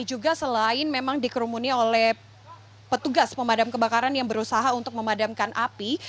dan juga selain memang dikerumuni oleh petugas pemadam kebakaran yang berusaha untuk memadamkan api